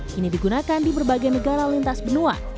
kini digunakan di berbagai negara lintas benua